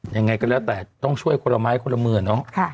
ยังไงก็แล้วแต่ต้องช่วยคนละไม้คนละมือเนาะ